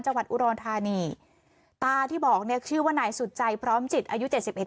จังหวัดอุดรธานีตาที่บอกเนี่ยชื่อว่านายสุดใจพร้อมจิตอายุเจ็ดสิบเอ็